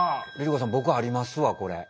さん僕ありますわこれ。